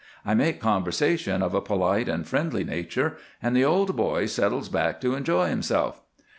I make conversation of a polite and friendly nature, and the old boy settles back to enjoy himself.